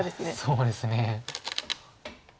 そうですね。